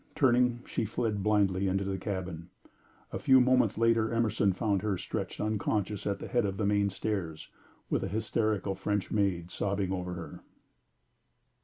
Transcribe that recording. Turning, she fled blindly into the cabin. A few moments later Emerson found her stretched unconscious at the head of the main stairs, with a hysterical French maid sobbing over her.